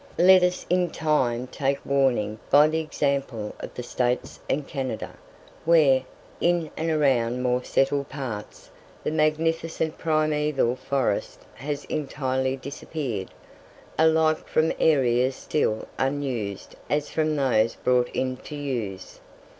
Let us in time take warning by the example of the States and Canada, where, in and around the more settled parts, the magnificent primeval forest has entirely disappeared, alike from areas still unused as from those brought into use.